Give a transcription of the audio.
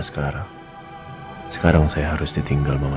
tetapi kalau saya harus pergi dulu